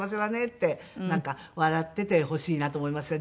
ってなんか笑っててほしいなと思いますね